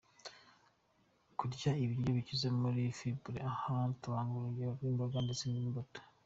Kurya ibiryo bikize muri “fibre”, aha batanga urugero rw’imboga ndetse n’imbuto.